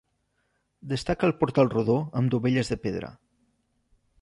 Destaca el portal rodó amb dovelles de pedra.